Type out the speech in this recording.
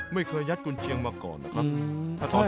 ไม่เคยยัดกุญเชียงมาก่อนนะครับ